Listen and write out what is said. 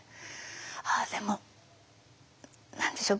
ああでも何でしょう